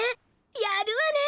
やるわるね。